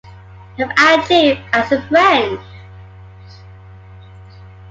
I’ll add you as a friend.